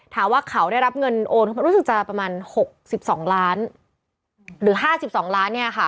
ถามว่าเขาได้รับเงินโอนรู้สึกจะประมาณ๖๒ล้านหรือ๕๒ล้าน